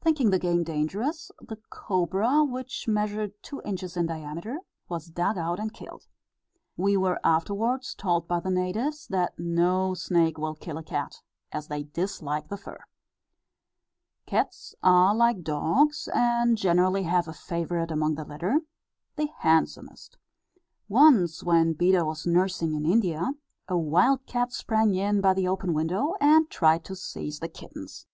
Thinking the game dangerous, the cobra, which measured two inches in diameter, was dug out and killed. We were afterwards told by the natives, that no snake will kill a cat, as they dislike the fur." Cats are like dogs, and generally have a favourite among the litter, the handsomest. Once when Beda was nursing in India, a wild cat sprang in by the open window, and tried to seize the kittens.